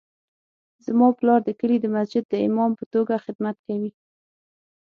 زما پلار د کلي د مسجد د امام په توګه خدمت کوي